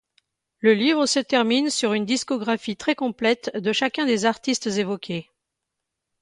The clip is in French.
Le livre se termine sur une discographie très complète de chacun des artistes évoqués.